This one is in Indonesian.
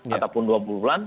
ataupun dua puluh bulan